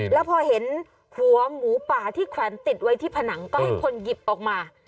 แล้วพอเห็นหัวหมูป่าที่แขวนติดไว้ที่ผนังก็ให้คนหยิบออกมา